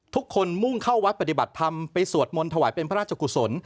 มุ่งเข้าวัดปฏิบัติธรรมไปสวดมนต์ถวายเป็นพระราชกุศล